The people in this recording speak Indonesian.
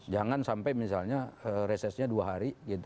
jangan sampai misalnya resesnya dua hari